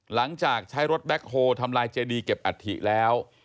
หลังจากใช้รถแบ็คโฮลทำลายเจดีเก็บอัฐิแล้ว